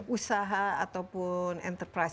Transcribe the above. usaha ataupun enterprise